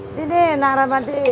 sini nak rahmadi